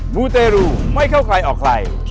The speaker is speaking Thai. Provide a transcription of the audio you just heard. มูเตรูไม่เข้าใครออกใคร